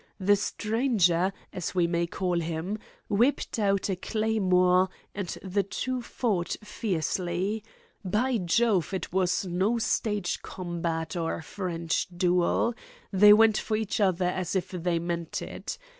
The stranger, as we may call him, whipped out a claymore, and the two fought fiercely. By Jove, it was no stage combat or French duel. They went for each other as if they meant it.